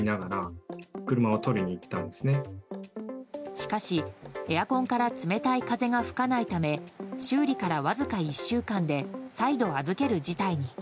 しかし、エアコンから冷たい風が吹かないため修理から、わずか１週間で再度預ける事態に。